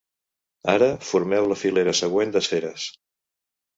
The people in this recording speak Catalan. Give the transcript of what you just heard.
Ara, formeu la filera següent d'esferes.